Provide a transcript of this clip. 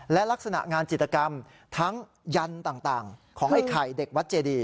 และลักษณะงานจิตกรรมทั้งยันต์ต่างของไอ้ไข่เด็กวัดเจดี